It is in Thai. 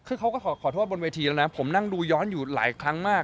คือเขาก็ขอโทษบนเวทีแล้วนะผมนั่งดูย้อนอยู่หลายครั้งมาก